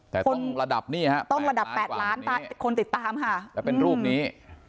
แต่ต้องระดับนี่ต้องระดับแปดล้านตามคนติดตามค่ะจะเป็นรูปนี้